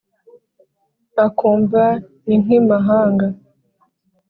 akumva ni nk’ i mahanga